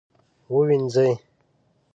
ووینځئ